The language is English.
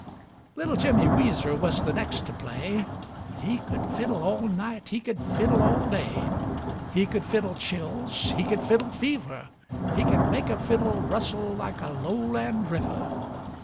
Little Jimmy Weezer was the next to play; He could fiddle all night, he could fiddle all day. He could fiddle chills, he could fiddle fever, He could make a fiddle rustle like a lowland river.